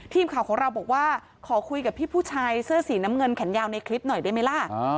ทีมข่าวของเราบอกว่าขอคุยกับพี่ผู้ชายเสื้อสีน้ำเงินแขนยาวในคลิปหน่อยได้ไหมล่ะ